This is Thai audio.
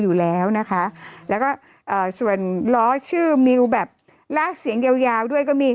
อยู่แล้วนะคะแล้วก็เอ่อส่วนล้อชื่อมิวแบบลากเสียงยาวยาวด้วยก็มี